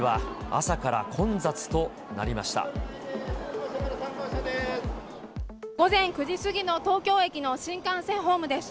きのう、午前９時過ぎの東京駅の新幹線ホームです。